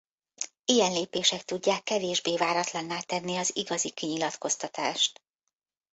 Ilyen lépések tudják kevésbé váratlanná tenni az igazi kinyilatkoztatást.